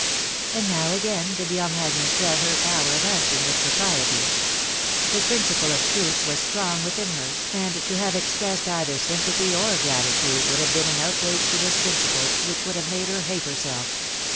And now again did young Agnes doubt her power of an swering with propriety. The principle of truth was strong within her, and to have expressed either sympathy or gratitude would have been an outrage to this principle, which would have insde her hate herself